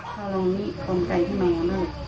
พอลองนี่กองไก่ให้นอน